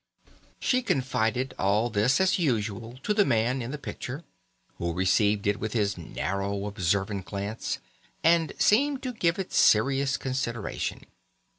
She confided all this as usual to the man in the picture, who received it with his narrow observant glance and seemed to give it serious consideration.